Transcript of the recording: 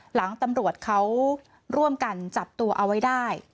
หลังตำรวจเขาร่วมกันจับตัวเอาไว้ได้